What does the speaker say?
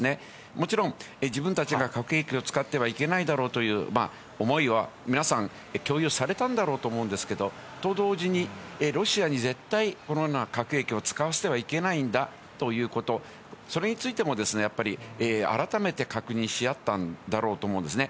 もちろん、自分たちが核兵器を使ってはいけないだろうという思いは皆さん、共有されたんだろうと思うんですけど、と同時に、ロシアに絶対、このような核兵器を使わせてはいけないんだということ、それについてもやっぱり、改めて確認し合ったんだろうと思うんですね。